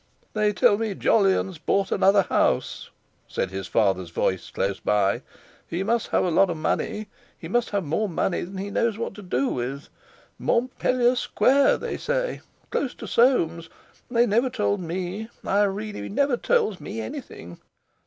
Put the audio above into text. "They tell me Jolyon's bought another house," said his father's voice close by; "he must have a lot of money—he must have more money than he knows what to do with! Montpellier Square, they say; close to Soames! They never told me, Irene never tells me anything!"